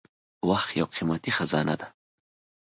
• وخت یو قیمتي خزانه ده.